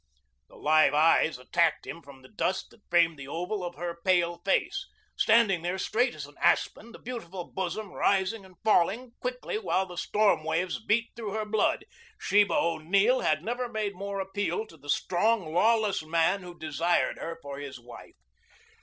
The live eyes attacked him from the dusk that framed the oval of her pale face. Standing there straight as an aspen, the beautiful bosom rising and falling quickly while the storm waves beat through her blood, Sheba O'Neill had never made more appeal to the strong, lawless man who desired her for his wife.